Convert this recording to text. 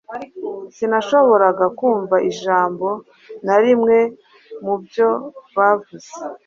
Sinashoboraga kumva ijambo na rimwe mubyo bavuze.